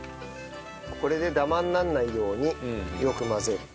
これでダマにならないようによく混ぜる。